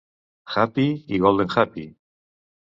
"Hapi" i "Golden Hapi".